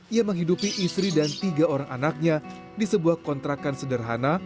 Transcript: ia menghidupi istri dan tiga orang anaknya di sebuah kontrakan sederhana